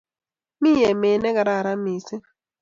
Mi emet nekararan mising